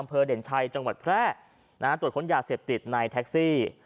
อำเภอเด่นชัยจังหวัดแพร่โดดข้นยาเสียบติดในแท็กซี่